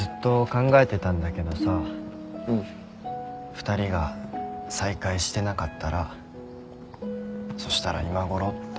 ２人が再会してなかったらそしたら今ごろって。